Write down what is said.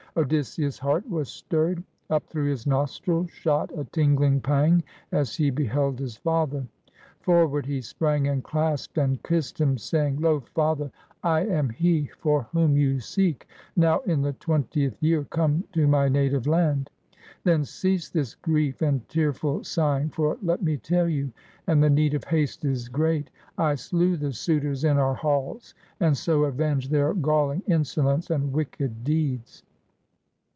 Odysseus' heart was stirred. Up through his nostrils shot a tingling pang as he beheld his father. Forward he sprang and clasped and kissed him, saying: — "Lo, father, I am he for whom you seek, now in the 37 GREECE twentieth year come to my native land! Then cease this grief and tearful sighing; for let me tell you, — and the need of haste is great, — I slew the suitors in our halls, and so avenged their galling insolence and wicked deeds."